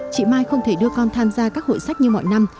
chị mai không thể đưa con tham gia các hội sách như mọi năm